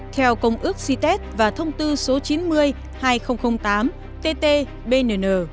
theo công ước cit và thông tư số chín mươi hai nghìn tám tt bnn